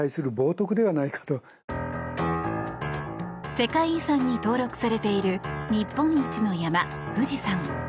世界遺産に登録されている日本一の山、富士山。